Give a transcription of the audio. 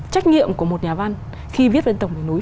trách nhiệm của một nhà văn khi viết về tổng hợp núi